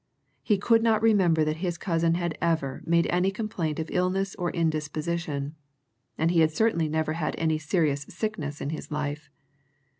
He could not remember that his cousin had ever made any complaint of illness or indisposition; he had certainly never had any serious sickness in his life.